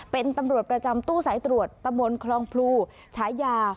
เป็นตำรวจประจำตู้สายตรวจตะมนต์คลองพลูฉายา